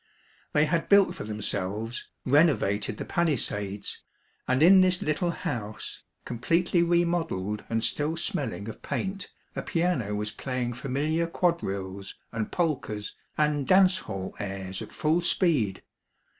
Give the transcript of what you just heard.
" They had built for themselves, renovated the palisades, and in this little house, completely re modelled and still smelling of paint, a piano was playing familiar quadrilles and polkas and dance hall airs at full speed.